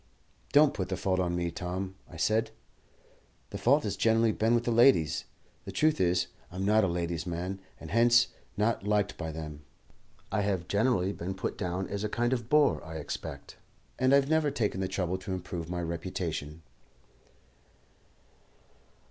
"Don't put the fault on me, Tom," I said. "The fault has generally been with the ladies. The truth is, I'm not a ladies' man, and hence not liked by them. I have generally been put down as a kind of bore, I expect, and I've never taken the trouble to improve my reputation."